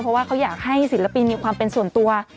เพราะว่าเขาอยากให้ศิลปินมีความเป็นส่วนตัว